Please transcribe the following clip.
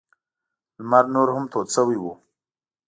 لمر نور هم تود شوی و.